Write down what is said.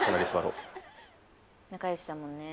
［仲よしだもんね。］